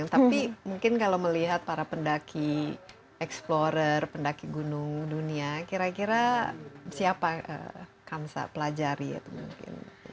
tapi mungkin kalau melihat para pendaki explorer pendaki gunung dunia kira kira siapa kansa pelajari itu mungkin